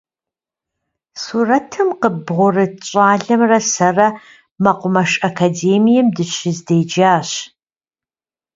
Сурэтым къыббгъурыт щӏалэмрэ сэрэ мэкъумэш академием дыщызэдеджащ.